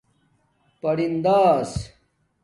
پرنداس